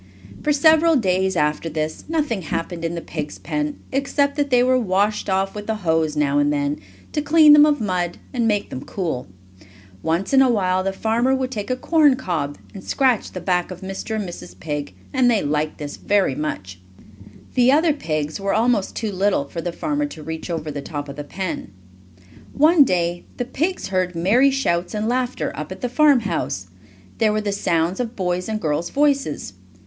For several days after this nothing happened in the pigs' pen except that they were washed off with the hose now and then, to clean them of mud and make them cool. Once in a while the farmer would take a corn cob and scratch the back of Mr. or Mrs. Pig, and they liked this very much. The other pigs were almost too little for the farmer to reach over the top of the pen. One day the pigs heard merry shouts and laughter up at the farmhouse. There were the sounds of boys' and girls' voices.